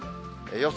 予想